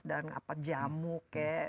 dan jamu kek